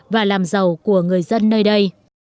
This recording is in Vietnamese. và làm giàu của người dân nơi đây